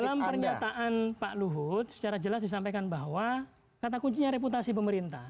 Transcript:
dalam pernyataan pak luhut secara jelas disampaikan bahwa kata kuncinya reputasi pemerintah